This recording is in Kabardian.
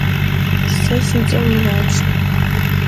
Se si ts'er Muratş.